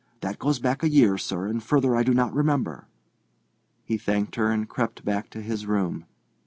That goes back a year, sir, and further I do not remember." He thanked her and crept back to his room.